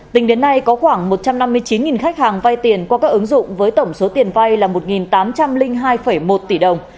tính đến nay có khoảng một trăm năm mươi chín khách hàng vay tiền qua các ứng dụng với tổng số tiền vay là một tám trăm linh hai một tỷ đồng